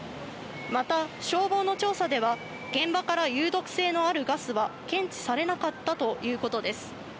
また、消防の調査では、現場から有毒性のあるガスは検知されなかったということです。